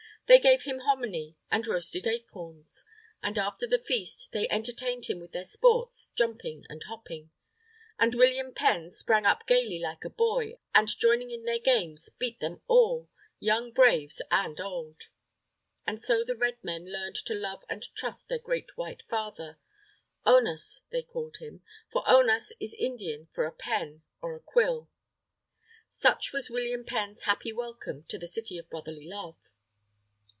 They gave him hominy and roasted acorns. And after the feast, they entertained him with their sports, jumping and hopping. And William Penn sprang up gayly like a boy, and joining in their games, beat them all, young Braves and old. And so the Red Men learned to love and trust their great White Father Onas they called him. For Onas is Indian for a pen, or a quill. Such was William Penn's happy welcome to the City of Brotherly Love.